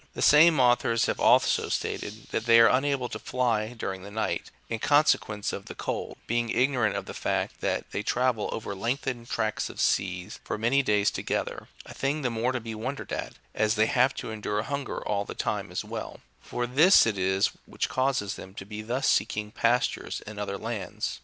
The same authors have also stated, that they are unable to fly during the night, in consequence of the cold, being ignorant of the fact, that they travel over lengthened tracts of sea for many days together, a thing the more to be won dered at, as they have to endure hunger all the time as well, for this it is which causes them to be thus seeking pastures in other lands.